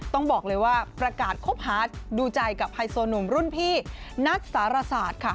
ต้องบอกเลยว่าประกาศคบหาดูใจกับไฮโซหนุ่มรุ่นพี่นัทสารศาสตร์ค่ะ